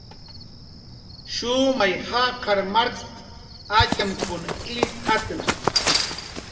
"Shumay jaqar markst"" atxamkun illt'atna"